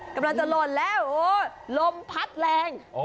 กำลังจะหล่นแล้วโอ้ลมพัดแรง